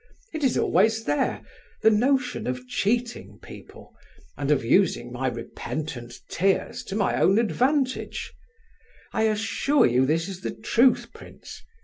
It is always there—the notion of cheating people, and of using my repentant tears to my own advantage! I assure you this is the truth, prince!